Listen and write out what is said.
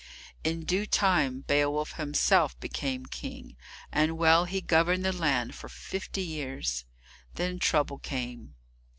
In due time Beowulf himself became King, and well he governed the land for fifty years. Then trouble came.